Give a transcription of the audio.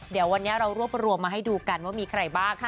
เดี๋ยววันนี้เรารวบรวมมาให้ดูกันว่ามีใครบ้าง